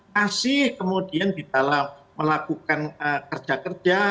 masih kemudian di dalam melakukan kerja kerja